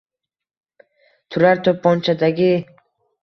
turar toʼpponchadagi